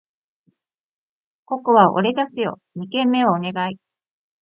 ここは俺出すよ！二軒目はお願い